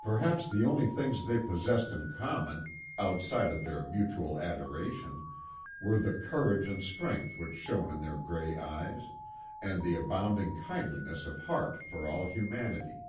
Perhaps the only things they possessed in common, outside of their mutual adoration, were the courage and strength which shone in their gray eyes, and the abounding kindliness of heart for all humanity.